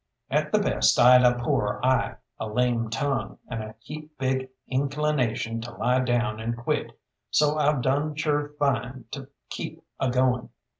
At the best I'd a poor eye, a lame tongue, and a heap big inclination to lie down and quit; so I've done sure fine to keep a going.